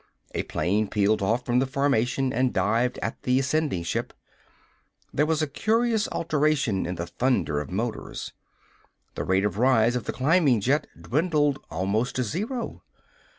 A plane peeled off from the formation and dived at the ascending ship. There was a curious alteration in the thunder of motors. The rate of rise of the climbing jet dwindled almost to zero.